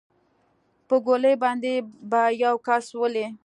په ګولۍ باندې به يو كس ولې.